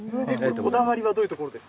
こだわりは、どういうところです